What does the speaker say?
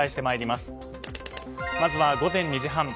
まずは午前２時半。